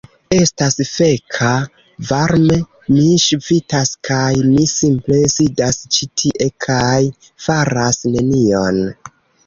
Estas feka varme. Mi ŝvitas kaj mi simple sidas ĉi tie kaj faras nenion.